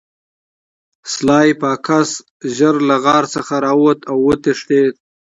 سلای فاکس ژر له غار څخه راووت او وتښتید